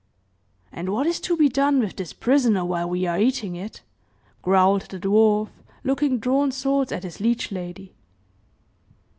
"And what is to be done with this prisoner, while we are eating it?" growled the dwarf, looking drawn swords at his liege lady.